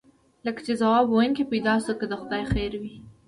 لکه چې ځواب ویونکی پیدا شو، که د خدای خیر وي.